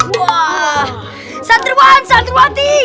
wah santriwan santriwati